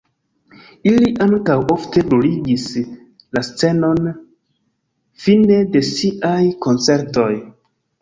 Ili ankaŭ ofte bruligis la scenon fine de siaj koncertoj.